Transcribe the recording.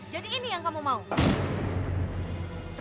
jadi ini yang kamu mau